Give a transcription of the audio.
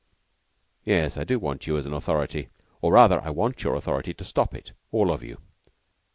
"Yes. I do want you as an authority, or rather I want your authority to stop it all of you."